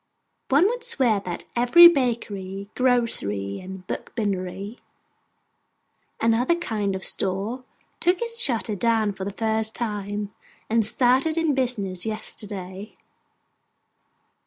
One would swear that every 'Bakery,' 'Grocery,' and 'Bookbindery,' and other kind of store, took its shutters down for the first time, and started in business yesterday.